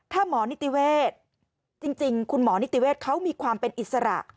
ถ้าหมอนิติเวศจริงคุณหมอนิติเวศเขามีความเป็นอิสระ